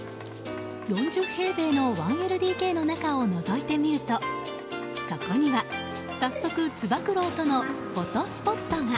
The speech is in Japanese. ４０平米の１ＬＤＫの中をのぞいてみるとそこには早速つば九郎とのフォト巣ポットが。